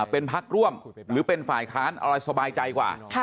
เป็นพักร่วมหรือเป็นฝ่ายค้านอะไรสบายใจกว่า